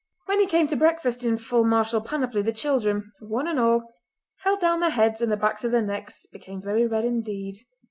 When he came to breakfast in full martial panoply the children, one and all, held down their heads and the backs of their necks became very red indeed.